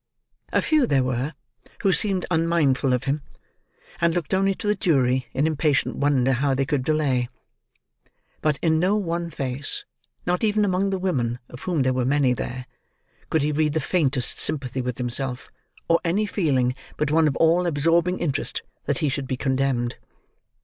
A few there were, who seemed unmindful of him, and looked only to the jury, in impatient wonder how they could delay. But in no one face—not even among the women, of whom there were many there—could he read the faintest sympathy with himself, or any feeling but one of all absorbing interest that he should be condemned.